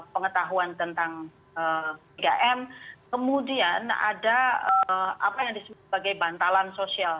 pengetahuan tentang tiga m kemudian ada apa yang disebut sebagai bantalan sosial